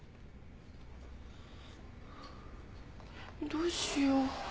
どうしよう。